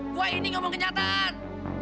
gua ini ngomong kenyataan